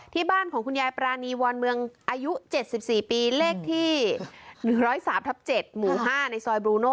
ที่บ้านของคุณยายปรานีวอนเมืองอายุ๗๔ปีเลขที่๑๐๓ทับ๗หมู่๕ในซอยบลูโน่